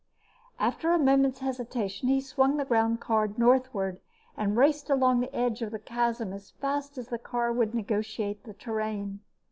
After a moment's hesitation, he swung the groundcar northward and raced along the edge of the chasm as fast as the car would negotiate the terrain.